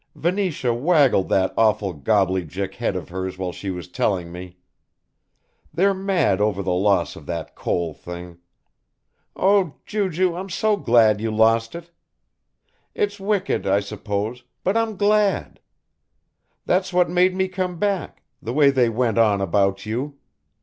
Venetia waggled that awful gobbly Jick head of hers while she was telling me they're mad over the loss of that coal thing oh, Ju Ju, I'm so glad you lost it. It's wicked, I suppose, but I'm glad. That's what made me come back, the way they went on about you.